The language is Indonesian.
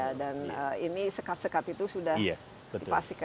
ya dan ini sekat sekat itu sudah dipastikan